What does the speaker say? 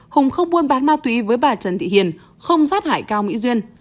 hùng không buôn bán ma túy với bà trần thị hiền không sát hại cao mỹ duyên